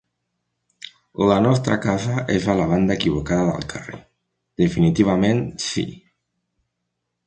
La nostra casa és a la banda equivocada del carrer; definitivament, sí.